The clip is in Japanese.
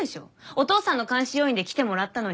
お父さんの監視要員で来てもらったのに逃がすとか